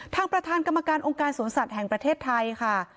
ทางประธานกรรมการองค์การสวนสัตว์แห่งประเทศไทยค่ะ